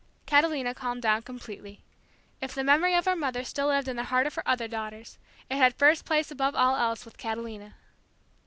Catalina calmed down completely. If the memory of our mother still lived in the heart of her other daughters it had first place above all else with Catalina.